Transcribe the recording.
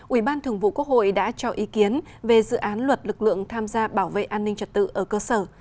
ủy ban thường vụ quốc hội đã cho ý kiến về dự án luật lực lượng tham gia bảo vệ an ninh trật tự ở cơ sở